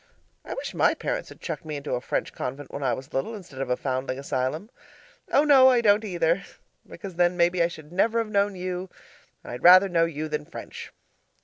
I wish my parents had chucked me into a French convent when I was little instead of a foundling asylum. Oh no, I don't either! Because then maybe I should never have known you. I'd rather know you than French.